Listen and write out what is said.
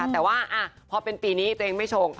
แต่ว่าพอเป็นปีนี้ตัวเองไม่ชง